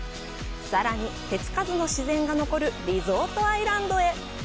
さらに、手つかずの自然が残るリゾートアイランドへ。